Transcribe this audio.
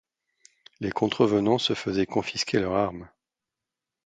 Les contrevenants se faisaient confisquer leurs armes.